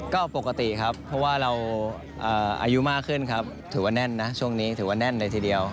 ก็ปกติครับเพราะว่าเราอายุมากขึ้นครับถือว่าแน่นนะช่วงนี้ถือว่าแน่นเลยทีเดียว